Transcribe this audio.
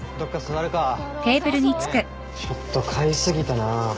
ちょっと買い過ぎたなぁ。